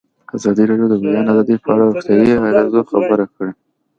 ازادي راډیو د د بیان آزادي په اړه د روغتیایي اغېزو خبره کړې.